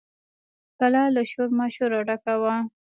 کلا له شور ماشوره ډکه وه.